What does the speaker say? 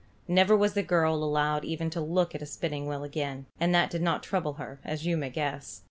Never was the girl allowed even to look at a spinning wheel again; and that did not trouble her, as you may guess.